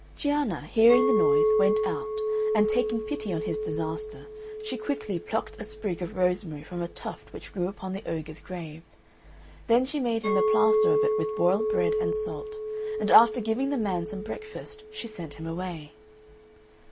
Cianna hearing the noise went out, and taking pity on his disaster, she quickly plucked a sprig of rosemary from a tuft which grew upon the ogre's grave; then she made him a plaster of it with boiled bread and salt, and after giving the man some breakfast she sent him away.